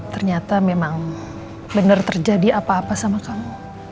ternyata memang benar terjadi apa apa sama kamu